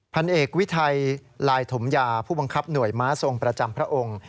พันเอกวิทัยลายถมยาผู้บังคับหน่วยม้าทรงประจำพระองค์